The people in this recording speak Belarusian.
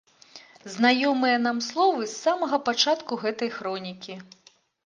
Знаёмыя нам словы з самага пачатку гэтай хронікі!